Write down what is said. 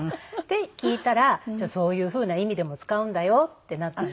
で聞いたらそういうふうな意味でも使うんだよってなって。